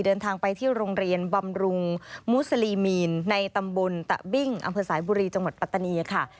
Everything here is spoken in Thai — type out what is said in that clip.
เดินทางไปที่โรงเรียนบำรุงมุสลีมีนในตำบลตะบิ้งอำเภอสายบุรีจังหวัดปัตตานีค่ะ